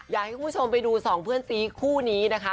อยากให้คุณผู้ชมไปดูสองเพื่อนซีคู่นี้นะคะ